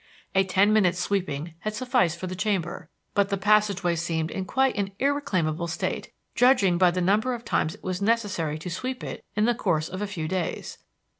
A ten minutes' sweeping had sufficed for the chamber, but the passage way seemed in quite an irreclaimable state, judging by the number of times it was necessary to sweep it in the course of a few days.